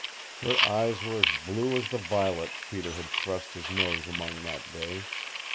Her eyes were as blue as the violets Peter had thrust his nose among that day.